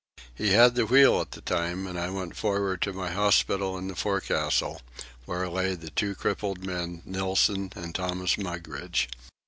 He had the wheel at the time, and I went forward to my hospital in the forecastle, where lay the two crippled men, Nilson and Thomas Mugridge.